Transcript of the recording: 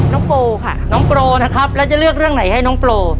โปรค่ะน้องโปรนะครับแล้วจะเลือกเรื่องไหนให้น้องโปร